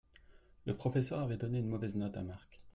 Le professeur avait donné une mauvaise note à Mark.